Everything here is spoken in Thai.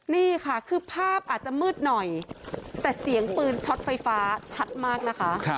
นี่ค่ะคือภาพอาจจะมืดหน่อยแต่เสียงปืนช็อตไฟฟ้าชัดมากนะคะ